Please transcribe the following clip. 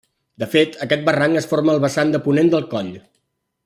De fet, aquest barranc es forma al vessant de ponent del coll.